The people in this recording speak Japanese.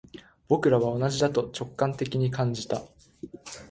僕らは同じだと直感的に感じた